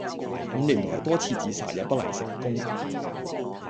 五年來多次自殺也不能成功